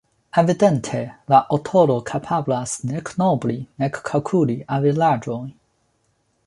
Evidente la aŭtoro kapablas nek nombri nek kalkuli averaĝojn.